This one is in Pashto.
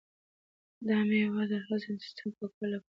دا مېوه د هضم د سیسټم د پاکوالي لپاره کارول کیږي.